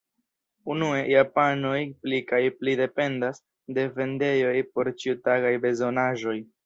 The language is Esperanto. Unue, japanoj pli kaj pli dependas de vendejoj por ĉiutagaj bezonaĵoj.